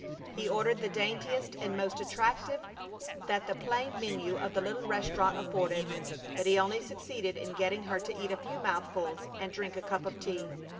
He ordered the daintiest and most attractive that the plain menu of the little restaurant afforded, but he only succeeded in getting her to eat a few mouthfuls and drink a cup of tea.